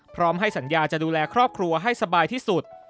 พร้อมให้สัญญาจะดูแลครอบครัวให้สบายที่สุด